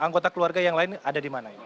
anggota keluarga yang lain ada di mana ini